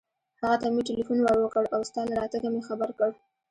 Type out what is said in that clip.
هغه ته مې ټېلېفون ور و کړ او ستا له راتګه مې خبر کړ.